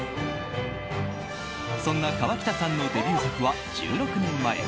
そんな河北さんのデビュー作は１６年前。